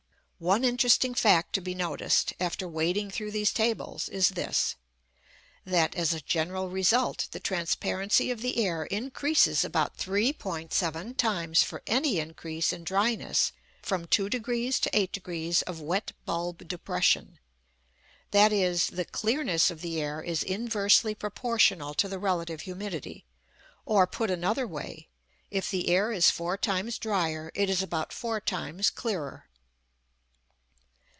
One interesting fact to be noticed, after wading through these tables, is this that, as a general result, the transparency of the air increases about 3·7 times for any increase in dryness from 2° to 8° of wet bulb depression. That is, the clearness of the air is inversely proportional to the relative humidity; or, put another way, if the air is four times drier it is about four times clearer.